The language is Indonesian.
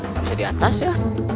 bisa diatas ya